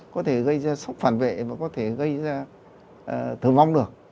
có thể gây ra sốc phản vệ và có thể gây ra tử vong được